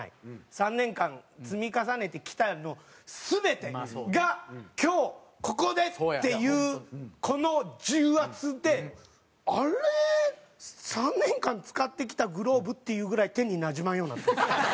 ３年間積み重ねてきた全てが今日ここで！っていうこの重圧で「あれ？３年間使ってきたグローブ？」っていうぐらい手になじまんようになってるんですよ。